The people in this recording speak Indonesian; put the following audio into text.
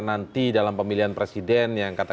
nanti dalam pemilihan presiden yang kata